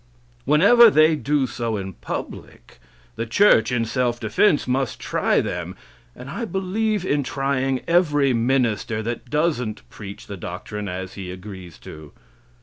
Whenever they do so in public, the church, in self defense, must try them; and I believe in trying every minister that doesn't preach the doctrine as he agrees to.